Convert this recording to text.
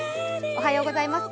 おはようございます。